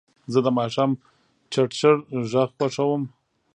زه د ماښام چړچړ غږ خوښوم.